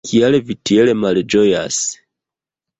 Kial vi tiel malĝojas?